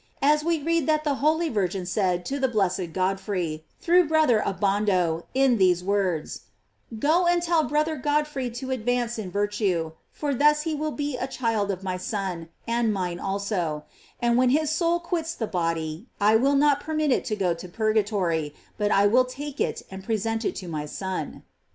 as we read that the holy Virgin said to the blessed Godfrey, through brother Abondo, in these words: "Go and tell brother Godfrey to advance in virtue, for thus he will be a child of my Son, and mine also; and when his soul quits the body, I will not permit it to go to purgatory, but I will take it and present it to my Son."